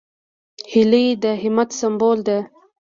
هیلۍ د همت سمبول ده